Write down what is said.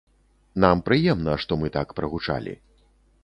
Нам прыемна, што мы так прагучалі.